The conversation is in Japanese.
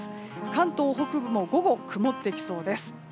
関東北部も午後曇ってきそうです。